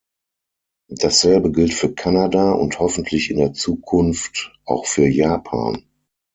Dasselbe gilt für Kanada und hoffentlich in der Zukunft auch für Japan.